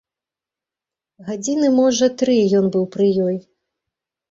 Гадзіны, можа, тры ён быў пры ёй.